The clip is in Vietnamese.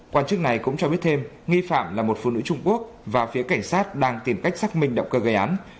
quan chức này cũng cho biết thêm nghi phạm là một phụ nữ trung quốc và phía cảnh sát đang tìm cách xác minh động cơ gây án